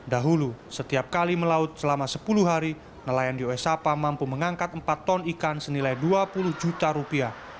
dahulu setiap kali melaut selama sepuluh hari nelayan di oesapa mampu mengangkat empat ton ikan senilai dua puluh juta rupiah